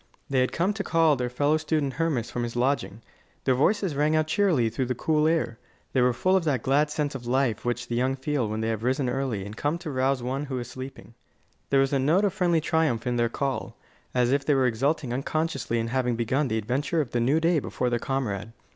They had come to call their fellow student Hermas from his lodging. Their voices rang out cheerily through the cool air. They were full of that glad sense of life which the young feel when they have risen early and come to rouse one who is still sleeping. There was a note of friendly triumph in their call, as if they were exulting unconsciously in having begun the adventure of the new day before their comrade.